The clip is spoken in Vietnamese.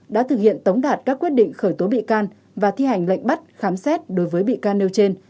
đã thực hiện tống đạt các quyết định khởi tố bị can và thi hành lệnh bắt khám xét đối với bị can nêu trên